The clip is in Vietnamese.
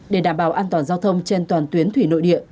để đảm bảo an toàn giao thông trên toàn tuyến thủy nội địa